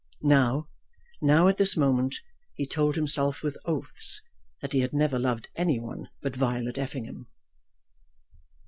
Now, now at this moment, he told himself with oaths that he had never loved any one but Violet Effingham.